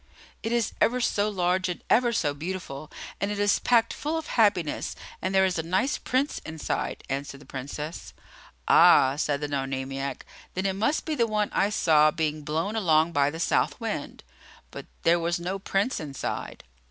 "It is ever so large and ever so beautiful, and it is packed full of happiness, and there is a nice Prince inside," answered the Princess. "Ah," said the Nonamiac; "then it must be the one I saw being blown along by the South Wind. But there was no Prince inside."